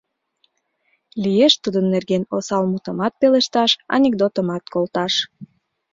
Лиеш Тудын нерген осал мутымат пелешташ, анекдотымат колташ.